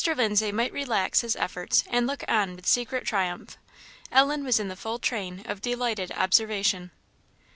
Lindsay might relax his efforts and look on with secret triumph; Ellen was in the full train of delighted observation.